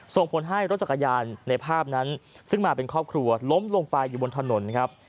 ส่งผลให้รถจักรยานในภาพนั้นซึ่งมาเป็นครอบครัวล้มลงไปอยู่บนถนนครับ